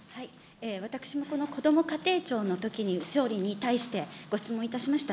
私もこのこども家庭庁のときに総理に対してご質問いたしました。